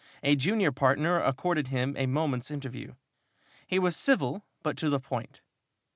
A junior partner accorded him a moment's interview. He was civil but to the point.